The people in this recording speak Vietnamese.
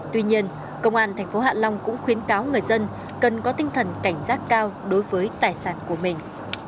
tuy nhiên công an tp hạ long cũng khuyến cáo người dân cần có tinh thần cảnh giác cao đối với tài sản của mình